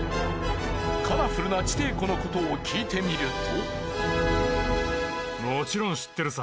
カラフルな地底湖のことを聞いてみると。